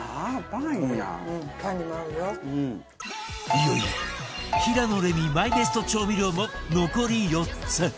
いよいよ平野レミマイベスト調味料も残り４つ